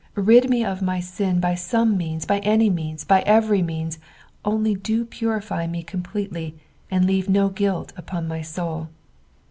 Bid nic of my sin by some means, by any means, by every means, only do purify me completely, and leave no guilt upnn my soul."